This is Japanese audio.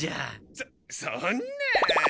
そっそんな。